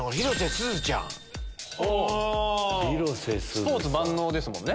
スポーツ万能ですもんね。